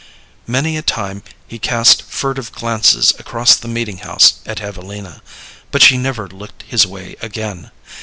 Many a time he cast furtive glances across the meeting house at Evelina, but she never looked his way again.